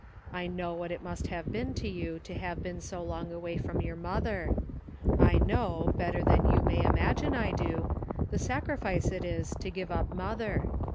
I know what it must have been to you to have been so long away from your mother. I know, better than you may imagine I do, the sacrifice it is to give up mother.